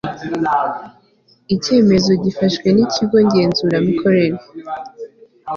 Icyemezo gifashwe n ikigo ngenzuramikorere